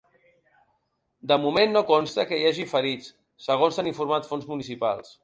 De moment no consta que hi hagi ferits, segons han informat fonts municipals.